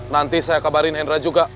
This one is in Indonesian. nanti saya kabarin hendra juga